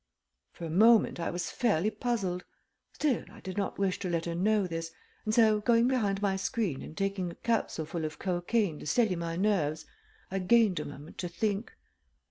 For a moment I was fairly puzzled. Still I did not wish to let her know this, and so going behind my screen and taking a capsule full of cocaine to steady my nerves, I gained a moment to think.